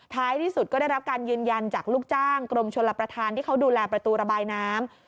ท้ายที่สุดก็ได้รับการยืนยันจากลูกจ้างกรมชลประธานที่เขาดูแลประตูระบายน้ำ